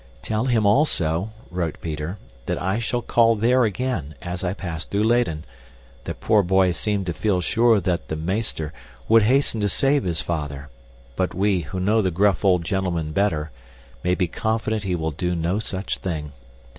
"Tell him, also," wrote Peter, "that I shall call there again, as I pass through Leyden. The poor boy seemed to feel sure that 'the meester' would hasten to save his father, but we, who know the gruff old gentleman better, may be confident he will do no such thing.